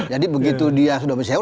jadi begitu dia sudah berseo